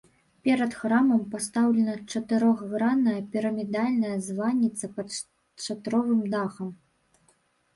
Перад храмам пастаўлена чатырохгранная пірамідальная званіца пад шатровым дахам.